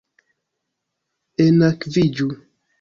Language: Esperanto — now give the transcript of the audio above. Enakviĝu!